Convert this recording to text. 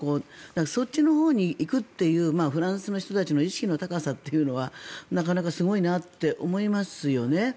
だからそっちのほうに行くというフランスの人たちの意識の高さというのはなかなかすごいなって思いますよね。